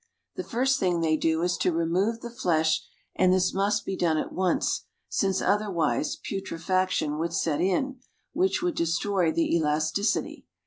The first thing they do is to remove the flesh, and this must be done at once, since otherwise putrefaction would set in, which would destroy the elasticity.